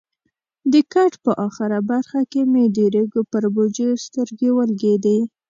د کټ په اخره برخه کې مې د ریګو پر بوجیو سترګې ولګېدې.